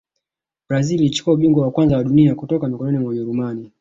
brazil ilichukua ubingwa wa kwanza wa dunia kutoka mikononi mwa ujerumani